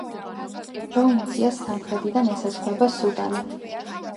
პროვინციას სამხრეთიდან ესაზღვრება სუდანი.